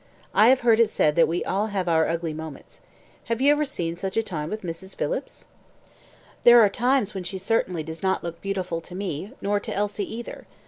I have heard it said that we have all our ugly moments. Have you ever seen such a time with Mrs. Phillips?" "There are times when she certainly does not look beautiful to me, nor to Elsie either.